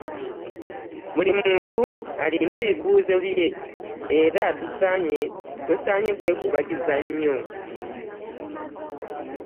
Buli muntu alina ebizibu bye era tosaanye kwekubagiza nnyo.